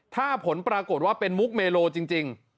ถ้าผลปรากฏว่าเป็นมุกเมโลจริง